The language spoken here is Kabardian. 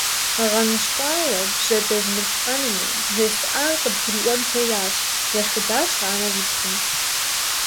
ГъэныщкӀуауэ бжьэдэзмылъхьэнумэ, бжесӀар къыбгурыӀуэн хуеящ, – ешхыдащ анэр и пхъум.